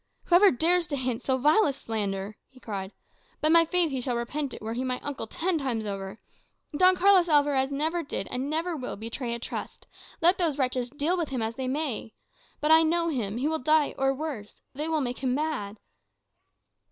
"Whoever dares to hint so vile a slander," he cried, "by my faith he shall repent it, were he my uncle ten times over. Don Carlos Alvarez never did, and never will, betray a trust, let those wretches deal with him as they may. But I know him; he will die, or worse, they will make him mad."